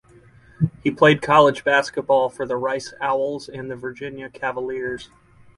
He played college basketball for the Rice Owls and the Virginia Cavaliers.